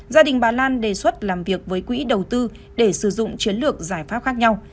gia đình bà lan đề xuất làm việc với quỹ đầu tư để sử dụng chiến lược giải pháp khác nhau